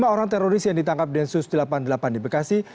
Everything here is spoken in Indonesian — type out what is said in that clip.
lima orang teroris yang ditangkap densus delapan puluh delapan di bekasi